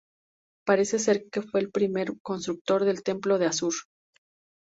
Parece ser que fue el primer constructor del templo de Assur.